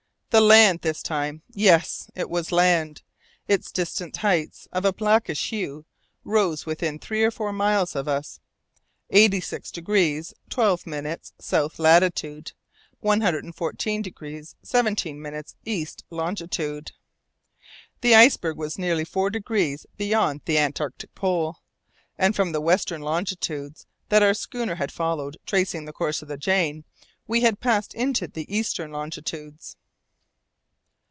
The land this time yes! it was land! Its distant heights, of a blackish hue, rose within three or four miles of us. 86° 12' south latitude. 114° 17' east longitude. The iceberg was nearly four degrees beyond the antarctic pole, and from the western longitudes that our schooner had followed tracing the course of the Jane, we had passed into the eastern longitudes.